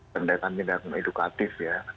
pendekatan pendakwaan edukatif ya